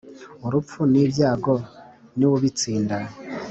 urupfu n'ibyago ni w' ubitsinda.